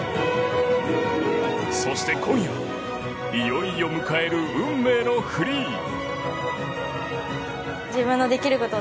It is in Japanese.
そして今夜いよいよ迎える運命のフリー。